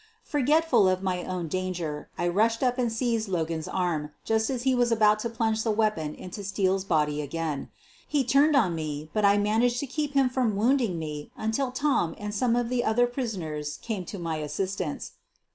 Forgetful of my own danger, I rushed up and seized Logan's arm, just as he was about to plunge the weapon into Steele's body again. He turned on me, but I managed to keep him from wounding me until Tom and some of the other prisoners came to my assistance.